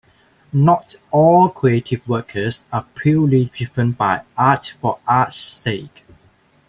Not all creative workers are purely driven by 'art for art's sake'.